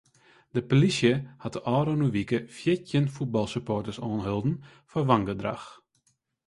De plysje hat de ôfrûne wike fjirtjin fuotbalsupporters oanholden foar wangedrach.